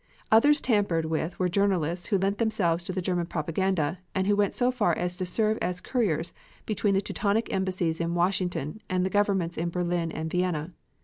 Others tampered with were journalists who lent themselves to the German propaganda and who went so far as to serve as couriers between the Teutonic embassies in Washington and the governments in Berlin and Vienna.